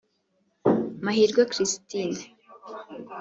Mahirwe Christine